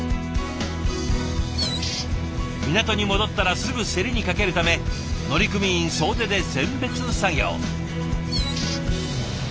港に戻ったらすぐ競りにかけるため乗組員総出で選別作業。